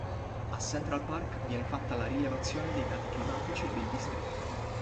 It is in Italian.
A Central Park viene fatta la rilevazione dei dati climatici del distretto.